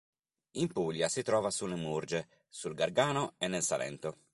In Puglia si trova sulle Murge, sul Gargano e nel Salento.